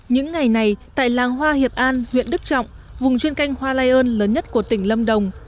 những ngày này tại làng hoa hiệp an huyện đức trọng vùng chuyên canh hoa lây ơn lớn nhất của tỉnh lâm đồng